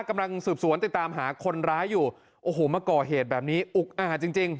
กำลังสืบสวนติดตามหาคนร้ายอยู่โอ้โหมาก่อเหตุแบบนี้อุกอาจจริงจริง